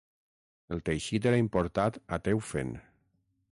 El teixit era important a Teufen.